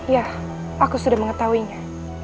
ya aku sudah mengetahuinya